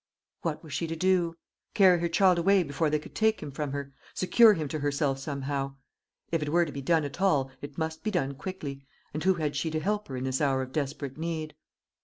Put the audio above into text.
What was she to do? Carry her child away before they could take him from her secure him to herself somehow. If it were to be done at all, it must be done quickly; and who had she to help her in this hour of desperate need.